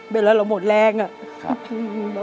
เวลาเราหมดแรงอะ